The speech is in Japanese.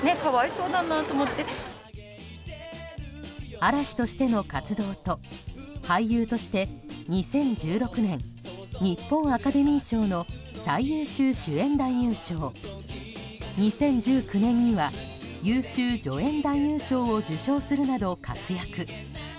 嵐としての活動と俳優として２０１６年、日本アカデミー賞の最優秀主演男優賞２０１９年には優秀助演男優賞を受賞するなど活躍。